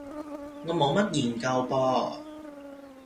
我冇乜研究噃